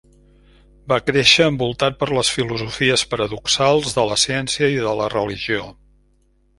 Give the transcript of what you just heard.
Va créixer envoltat per les filosofies paradoxals de la ciència i de la religió.